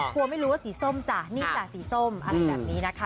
กรัวไม่รู้สีสมจ้านี่แต่สีสมอะไรแบบนี้นะคะ